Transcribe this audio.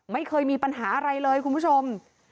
ไม่เคยมีปัญหาอะไรเลยคุณผู้ชม